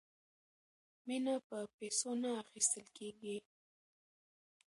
مینه په پیسو نه اخیستل کیږي.